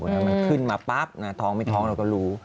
แล้วมันขึ้นมาปั๊บท้องไม่ท้องเราก็รู้